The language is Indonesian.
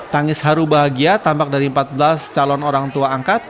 tangis haru bahagia tampak dari empat belas calon orang tua angkat